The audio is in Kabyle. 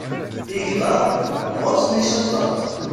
Igḍaḍ ɣur-sen icuṭaṭ.